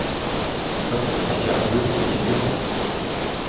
Du könntest mich ja höflich bitten.